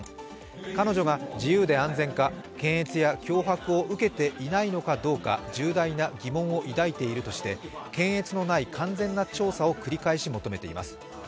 彼女が自由で安全か検閲や脅迫を受けていないのかどうか重大な疑問を抱いているとして検閲のない完全な調査を繰り返し求めています。